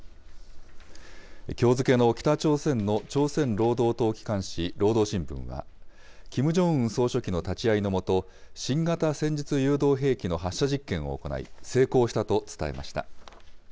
きょう付けの北朝鮮の朝鮮労働党機関紙、労働新聞は、キム・ジョンウン総書記の立ち会いのもと、新型戦術誘導兵器の発射実験を行い、成功したと伝えました。